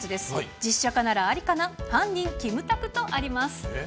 実写化ならありかな、犯人、キムタクとあります。